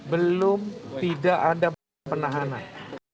belum tidak ada penahanan